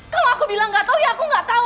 kalo aku bilang gak tau ya aku gak tau